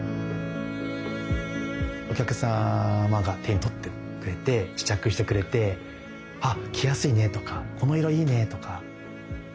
お客様が手に取ってくれて試着してくれて「あ着やすいね」とか「この色いいね」とか。